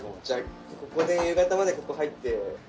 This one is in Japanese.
じゃあここで夕方までここ入って。